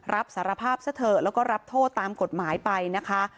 รับสารภาพซะเถอะแล้วก็รับโทษตามกฎหมายไปนะคะ